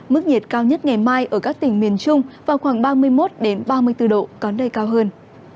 mức nhiệt cao nhất ngày mai ở các tỉnh miền trung vào khoảng ba mươi một ba mươi bốn độ có nơi cao hơn